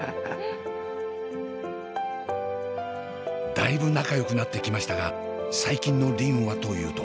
だいぶ仲よくなってきましたが最近の梨鈴はというと。